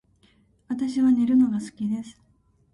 私は寝るのが好きです